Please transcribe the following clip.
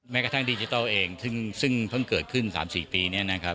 แม้กระทั่งดิจิทัลเองซึ่งเพิ่งเกิดขึ้น๓๔ปีนี้